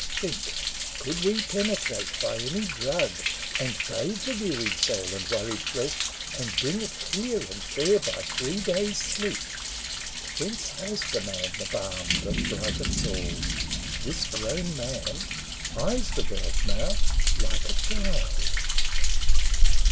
Think, could we penetrate by any drug And bathe the wearied soul and worried flesh, And bring it clear and fair, by three days' sleep ! Whence has the man the balm that brightens all? This grown man eyes the world now like a child.